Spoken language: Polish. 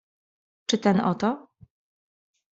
"Czy ten oto?"